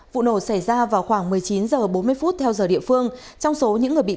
vụ nổ xảy ra vào khoảng một mươi chín h bốn mươi theo giờ địa phương